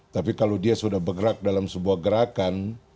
tapi kalau dia sudah bergerak dalam sebuah gerakan